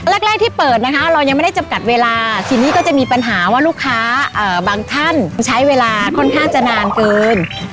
แรกที่เปิดนะคะเรายังไม่ได้จำกัดเวลาทีนี้ก็จะมีปัญหาว่าลูกค้าบางท่านใช้เวลาค่อนข้างจะนานเกิน